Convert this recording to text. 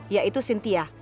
ya itu sintia